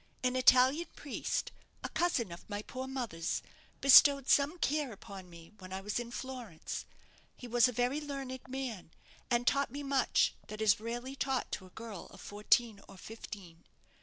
An Italian priest, a cousin of my poor mother's, bestowed some care upon me when I was in Florence. He was a very learned man, and taught me much that is rarely taught to a girl of fourteen or fifteen.